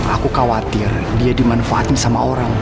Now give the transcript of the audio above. aku khawatir dia dimanfaatin sama orang